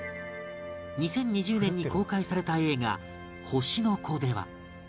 ２０２０年に公開された映画『星の子』では